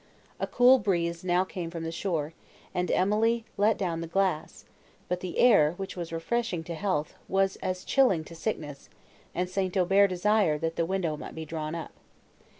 A cool breeze now came from the shore, and Emily let down the glass; but the air, which was refreshing to health, was as chilling to sickness, and St. Aubert desired, that the window might be drawn up.